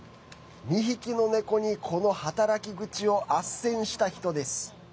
２匹のネコにこの働き口をあっせんした人です。